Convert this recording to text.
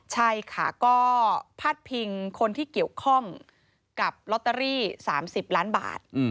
ใช่ค่ะก็พาดพิงคนที่เกี่ยวข้องกับลอตเตอรี่๓๐ล้านบาท